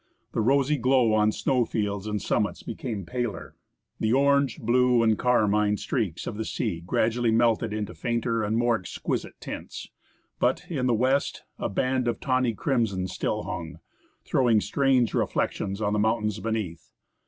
The rosy glow on snov/fields and summits became paler ; the orange, blue, and carmine streaks on the sea gradually melted into fainter and more ex quisite tints. But, in the west, a band of tawny crimson still hung, throwing strange reflections on the mountains beneath.